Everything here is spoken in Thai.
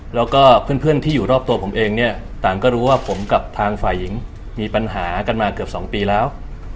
แล้วก็เพื่อนที่อยู่รอบตัวผมเองเนี่ยต่างก็รู้ว่าผมกับทางฝ่ายหญิงมีปัญหากันมาเกือบ๒ปีแล้ว